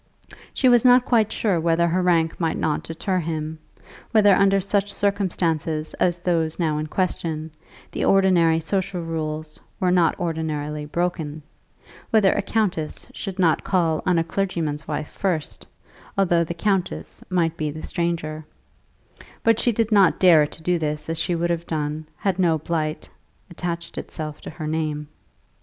She was not quite sure whether her rank might not deter him, whether under such circumstances as those now in question, the ordinary social rules were not ordinarily broken, whether a countess should not call on a clergyman's wife first, although the countess might be the stranger; but she did not dare to do as she would have done, had no blight attached itself to her name.